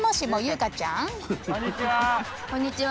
こんにちは。